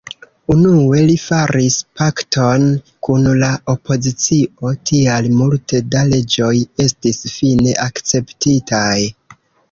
Unue li faris pakton kun la opozicio, tial multe da leĝoj estis fine akceptitaj.